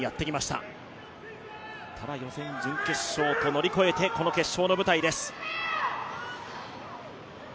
ただ予選、準決勝と乗り越えてこの決勝の舞台です。